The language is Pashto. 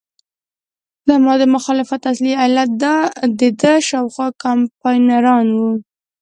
زما د مخالفت اصلي علت دده شاوخوا کمپاینران وو.